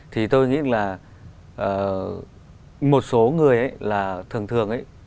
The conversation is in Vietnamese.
thì tôi nghĩ là một số người là thường thường ấy